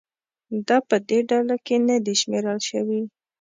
دا په دې ډله کې نه دي شمېرل شوي.